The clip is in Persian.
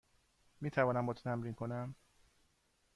می توانم با تو تمرین کنم؟